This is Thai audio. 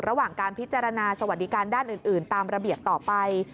ระหว่างการพิจารณาสวัสดิการด้านอื่นตามระเบียบต่อไป